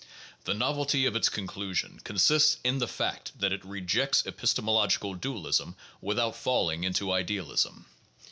The novelty of its conclusion consists in the fact that it rejects epistemo logical dualism without falling into idealism.